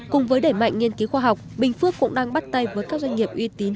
cùng với đẩy mạnh nghiên cứu khoa học bình phước cũng đang bắt tay với các doanh nghiệp uy tín